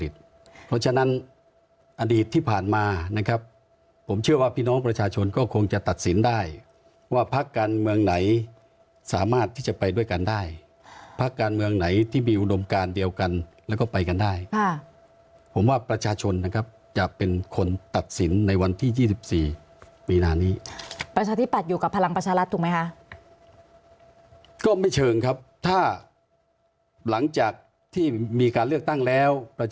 เพราะฉะนั้นอดีตที่ผ่านมานะครับผมเชื่อว่าพี่น้องประชาชนก็คงจะตัดสินได้ว่าพักการเมืองไหนสามารถที่จะไปด้วยกันได้พักการเมืองไหนที่มีอุดมการเดียวกันแล้วก็ไปกันได้ผมว่าประชาชนนะครับจะเป็นคนตัดสินในวันที่๒๔มีนานี้ประชาธิบัตย์อยู่กับพลังประชารัฐถูกไหมคะก็ไม่เชิงครับถ้าหลังจากที่มีการเลือกตั้งแล้วประ